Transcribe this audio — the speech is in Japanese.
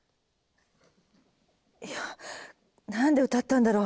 いやなんで歌ったんだろう？